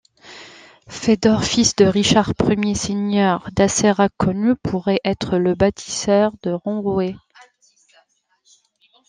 Fédor, fils de Richard premier seigneur d'Assérac connu, pourrait être le bâtisseur de Ranrouët.